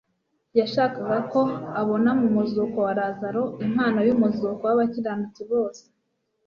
Yashakaga ko abona mu muzuko wa Lazaro impano y'umuzuko w'abakiranutsi bose,